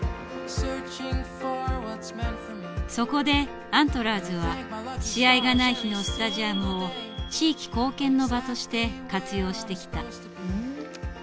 そこでアントラーズは試合がない日のスタジアムを地域貢献の場として活用してきた。